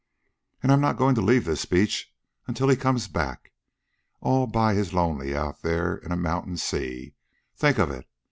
An' I'm not goin' to leave this beach until he comes back. All by his lonely out there in a mountain sea, think of it!